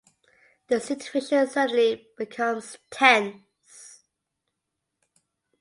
The situation suddenly becomes tense.